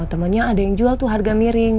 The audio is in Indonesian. temannya ada yang jual tuh harga miring